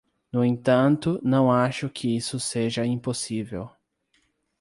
No entanto, não acho que isso seja impossível.